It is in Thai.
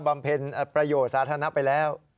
ำเพ็ญประโยชน์สาธารณะไปแล้ว